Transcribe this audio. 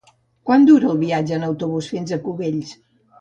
Quant dura el viatge en autobús fins a Cubells?